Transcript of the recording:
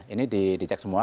ini dicek semua